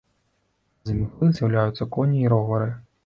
З імглы з'яўляюцца коні і ровары.